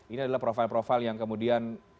ini adalah profil profil yang kemudian